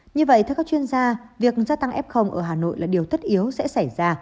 như vậy theo các chuyên gia việc gia tăng f ở hà nội là điều tất yếu sẽ xảy ra